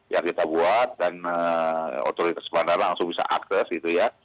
yang kita buat dan otoritas bandara langsung bisa akses gitu ya